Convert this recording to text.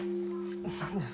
何です？